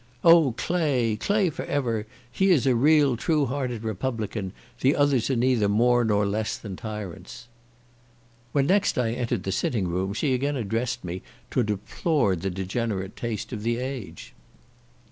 "Oh Clay! Clay for ever! he is a real true hearted republican; the others are neither more nor less than tyrants." When next I entered the sitting room she again addressed me, to deplore the degenerate taste of the age.